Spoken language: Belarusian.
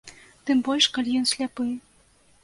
Тым больш, калі ён сляпы.